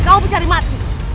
kau bercari mati